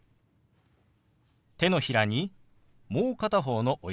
手のひらにもう片方の親指を当てます。